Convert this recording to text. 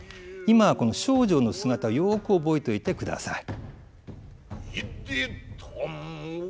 今はこの丞相の姿をよく覚えておいてください。